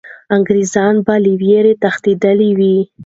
انګریزان به له ویرې تښتېدلي وي.